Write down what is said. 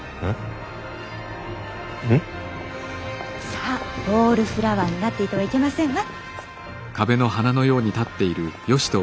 さぁウォールフラワーになっていてはいけませんわ。